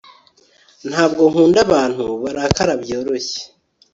Ntabwo nkunda abantu barakara byoroshye